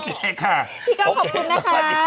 พี่ก้อขอบคุณนะคะ